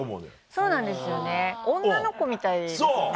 そうなんですよね女の子みたいですよね。